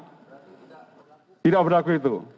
berarti tidak berlaku itu